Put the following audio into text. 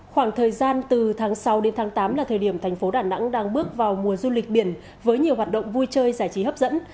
khoảng thời gian từ tháng sáu đến tháng tám là thời điểm thành phố đà nẵng đang bước vào mùa du lịch biển với nhiều hoạt động vui chơi giải trí hấp dẫn